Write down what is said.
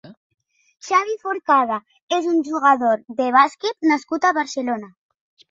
Xavi Forcada és un jugador de bàsquet nascut a Barcelona.